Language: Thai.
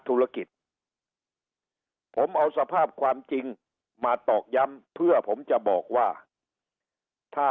ธุรกิจผมเอาสภาพความจริงมาตอกย้ำเพื่อผมจะบอกว่าถ้า